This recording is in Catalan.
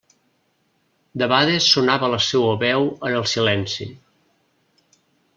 Debades sonava la seua veu en el silenci.